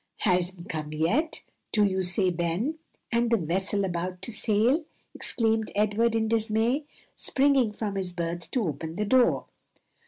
"Hasn't come yet, do you say, Ben? and the vessel about to sail?" exclaimed Edward in dismay, springing from his berth to open the door.